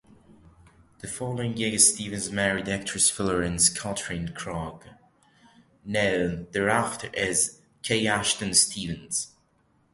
The following year Stevens married actress Florence Katherine Krug, known thereafter as Kay Ashton-Stevens.